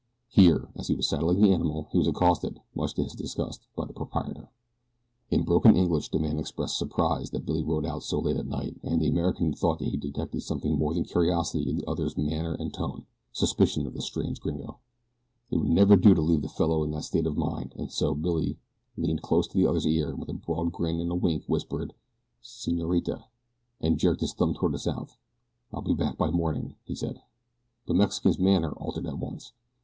Here, as he was saddling the animal, he was accosted, much to his disgust, by the proprietor. In broken English the man expressed surprise that Billy rode out so late at night, and the American thought that he detected something more than curiosity in the other's manner and tone suspicion of the strange gringo. It would never do to leave the fellow in that state of mind, and so Billy leaned close to the other's ear, and with a broad grin and a wink whispered: "Senorita," and jerked his thumb toward the south. "I'll be back by mornin'," he added. The Mexican's manner altered at once.